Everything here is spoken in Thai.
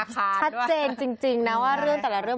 ชัดเจนจริงนะว่าเรื่องแต่ละเรื่อง